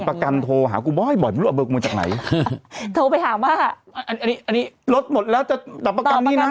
ประกันโทรหากูบ่อยบ่อยไม่รู้เอาเบอร์กูจากไหนโทรไปหาว่าอันนี้อันนี้รถหมดแล้วจะดับประกันนี้นะ